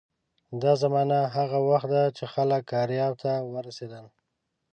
دا زمانه هغه وخت ده چې خلک کارایب ته ورسېدل.